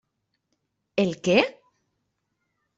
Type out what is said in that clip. El què?